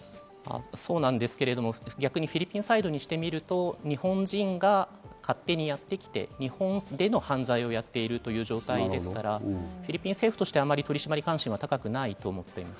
そうなんですけれど、フィリピンサイドにしてみると、日本人が勝手にやってきて、日本での犯罪をやっているという状態ですから、フィリピン政府としては取り締まり監視は高くないと思っています。